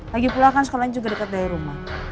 lagi pulang kan sekolahnya juga deket dari rumah